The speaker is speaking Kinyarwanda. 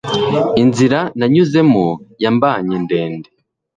inzira nanyuzemo yambanye ndende